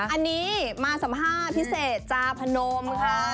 อันนี้มาสัมภาษณ์พิเศษจาพนมค่ะ